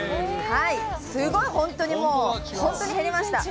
すごい本当にもう、本当に減りました。